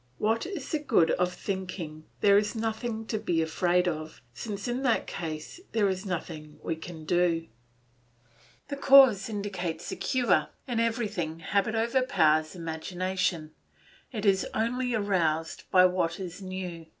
What is the good of thinking there is nothing to be afraid of, since in that case there is nothing we can do? The cause indicates the cure. In everything habit overpowers imagination; it is only aroused by what is new.